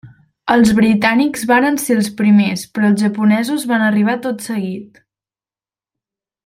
Els britànics varen ser els primers però els japonesos van arribar tot seguit.